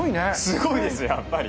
すごいですやっぱり。